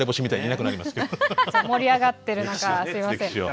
盛り上がってる中すいません。